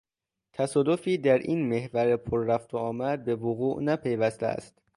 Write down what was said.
تصادفی در این محور پر رفت و آمد به وقوع نپیوسته است